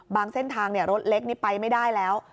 เส้นทางรถเล็กนี่ไปไม่ได้แล้ว